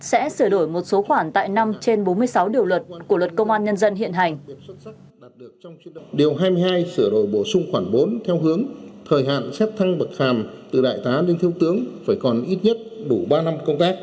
sẽ sửa đổi một số khoản tại năm trên bốn mươi sáu điều luật của luật công an nhân dân hiện hành